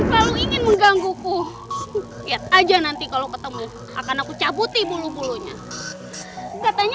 selalu ingin menggangguku lihat aja nanti kalau ketemu akan aku cabuti bulu bulunya katanya